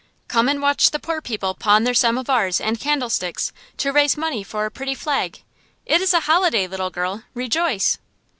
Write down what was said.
Come and watch the poor people pawn their samovars and candlesticks, to raise money for a pretty flag. It is a holiday, little girl. Rejoice!"